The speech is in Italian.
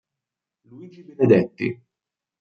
Luigi Benedetti